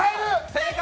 正解。